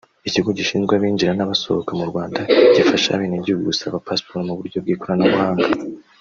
Ikigo gishinzwe abinjira n’abasohoka mu Rwanda gifasha abenegihugu gusaba pasiporo mu buryo bw’ikoranabuhanga